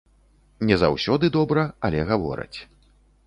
Не заўсёды добра, але гавораць.